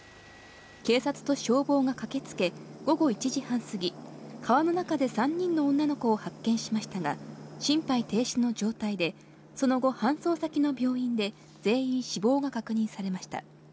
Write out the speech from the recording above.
警察と消防が駆けつけ、午後１時半過ぎ、川の中で３人の女の子を発見しましたが、心肺停止の状態で、その後、搬送先の病院で全員死亡が確認されました。